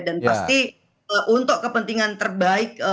dan pasti untuk kepentingan terbaik